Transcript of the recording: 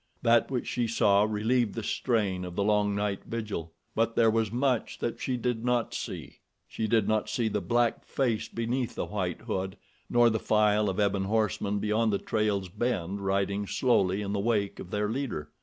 That which she saw relieved the strain of the long night vigil; but there was much that she did not see. She did not see the black face beneath the white hood, nor the file of ebon horsemen beyond the trail's bend riding slowly in the wake of their leader.